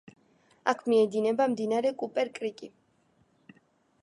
აქ მიედინება მდინარე კუპერ-კრიკი.